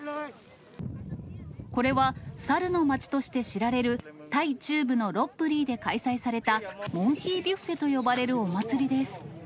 これは猿の街として知られる、タイ中部のロッブリーで開催されたモンキー・ビュッフェと呼ばれるお祭りです。